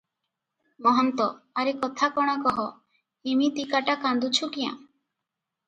ମହନ୍ତ- ଆରେ କଥା କଣ କହ, ଇମିତିକାଟା କାନ୍ଦୁଛୁ କ୍ୟାଁ?